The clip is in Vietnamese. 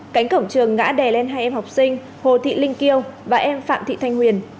cánh cổng trường ngã đè lên hai em học sinh hồ thị linh kiều và em phạm thị thanh huyền